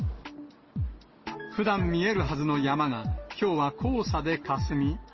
ふだん見えるはずの山が、きょうは黄砂でかすみ。